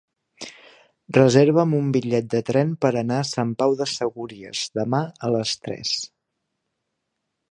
Reserva'm un bitllet de tren per anar a Sant Pau de Segúries demà a les tres.